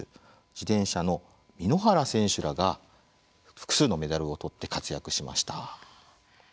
自転車の蓑原選手らが複数のメダルを取って活躍しました。